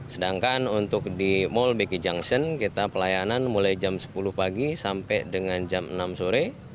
sedangkan untuk di mall beki junction kita pelayanan mulai jam sepuluh pagi sampai dengan jam enam sore